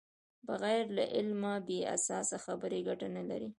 بغیر له علمه بې اساسه خبرې ګټه نلري.